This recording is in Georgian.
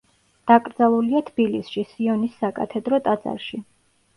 დაკრძალულია თბილისში, სიონის საკათედრო ტაძარში.